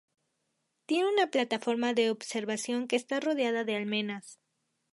Tiene una plataforma de observación que está rodeada de almenas.